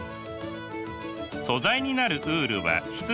素材になるウールは羊の毛。